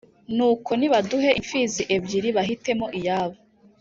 Nuko nibaduhe impfizi ebyiri bahitemo iyabo